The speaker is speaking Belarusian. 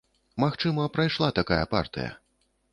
Магчыма, прайшла такая партыя.